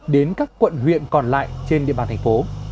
đến các quận huyện còn lại trên địa bàn tp